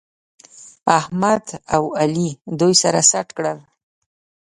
احمد او علي دوی سره سټ کړل